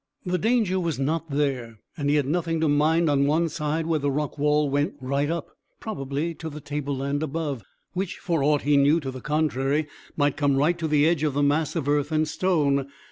The danger was not there, and he had nothing to mind on one side where the rock wall went right up, probably to the tableland above, which, for aught he knew to the contrary, might come right to the edge of the mass of earth and stone.